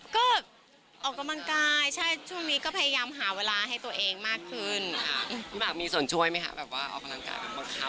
ก็ออกกำลังกายใช่ช่วงนี้ก็พยายามหาเวลาให้ตัวเองมากขึ้นพี่หมากมีส่วนช่วยไหมคะแบบว่าออกกำลังกายแบบบังคับ